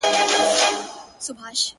• ولاړمه، په خوب کي دُردانې راپسي مه ګوره-